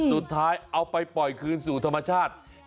สุดท้ายเอาไปปล่อยคืนสู่ธรรมชาติ